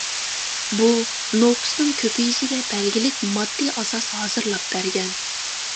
بۇ نوپۇسنىڭ كۆپىيىشىگە بەلگىلىك ماددىي ئاساس ھازىرلاپ بەرگەن.